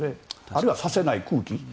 あるいは、させない空気。